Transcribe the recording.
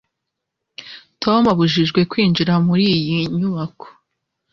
tom abujijwe kwinjira muri iyi nyubako